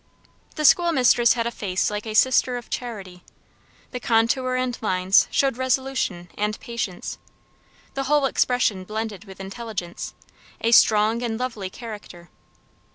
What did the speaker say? The school mistress had a face like a sister of charity; the contour and lines showed resolution and patience; the whole expression blended with intelligence, a strong and lovely character.